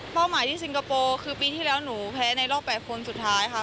หมายที่สิงคโปร์คือปีที่แล้วหนูแพ้ในรอบ๘คนสุดท้ายค่ะ